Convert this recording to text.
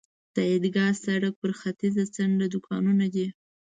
د عیدګاه سړک پر ختیځه څنډه دوکانونه دي.